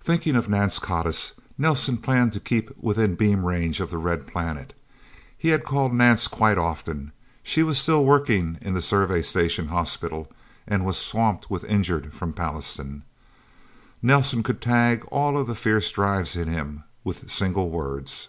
Thinking of Nance Codiss, Nelsen planned to keep within beam range of the Red Planet. He had called Nance quite often. She was still working in the Survey Station hospital, which was swamped with injured from Pallastown. Nelsen could tag all of the fierce drives in him with single words.